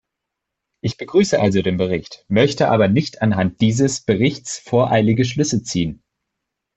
Ich begrüße also den Bericht, möchte aber nicht anhand dieses Berichts voreilige Schlüsse ziehen.